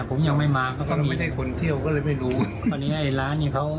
ก็ยืนริมถนนอะไรอย่างนี้หรอ